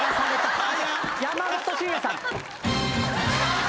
山本晋也さん。